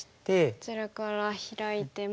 こちらからヒラいても。